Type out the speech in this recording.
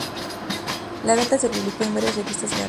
La venta se publicó en varias revistas galas.